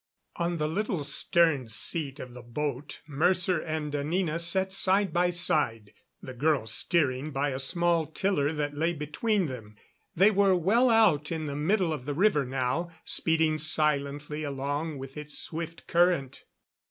On the little stern seat of the boat Mercer and Anina sat side by side, the girl steering by a small tiller that lay between them. They were well out in the middle of the river now, speeding silently along with its swift current.